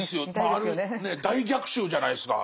大逆襲じゃないですか。